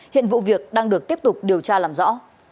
hiện vụ việc đang được tiếp tục điều tra làm rõ